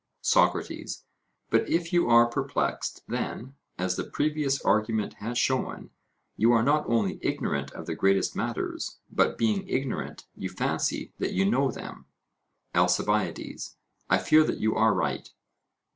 SOCRATES: But if you are perplexed, then, as the previous argument has shown, you are not only ignorant of the greatest matters, but being ignorant you fancy that you know them? ALCIBIADES: I fear that you are right.